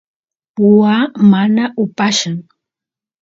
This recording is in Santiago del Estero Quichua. waa mana upallan